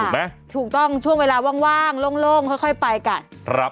ถูกต้องช่วงเวลาว่างโล่งค่อยไปกัน